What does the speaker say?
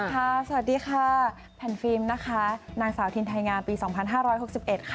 สวัสดีค่ะแผ่นฟิล์มนะคะนางสาวทินไทยงามปี๒๕๖๑ค่ะ